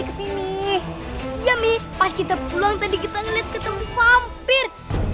ke sini ya mi pas kita pulang tadi kita ngeliat ketemu vampir